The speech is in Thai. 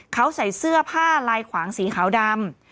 เขาใส่เสื้อผ้าลายขวางสีขาวดำ